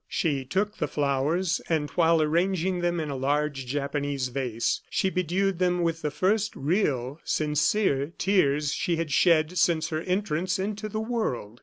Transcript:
She took the flowers, and while arranging them in a large Japanese vase, she bedewed them with the first real sincere tears she had shed since her entrance into the world.